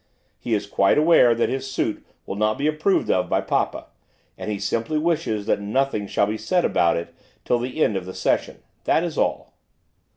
He is quite aware that his suit will not be approved of by papa, and he simply wishes that nothing shall be said about it till the end of the session, that is all.